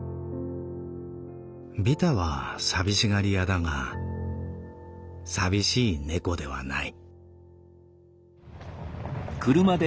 ビタは寂しがり屋だが淋しい猫ではない」。